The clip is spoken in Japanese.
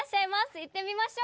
行ってみましょう！